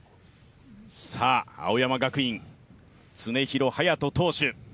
青山学院、常廣羽也斗投手